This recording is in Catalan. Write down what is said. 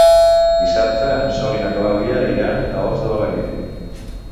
Dissabte en Sol i na Clàudia iran a Os de Balaguer.